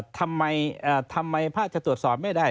ทำไมพระจะตรวจสอบไม่ได้